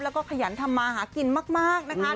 แล้วก็ขยันทำมาหากินมากนะคะ